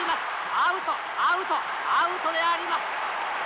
アウトアウトアウトであります。